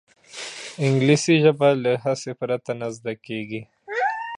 انګلیسي ژبه له هڅې پرته نه زده کېږي